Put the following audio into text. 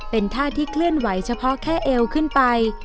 เป็นท่าที่เคลื่อนไหวเฉพาะแค่เอวขึ้นไป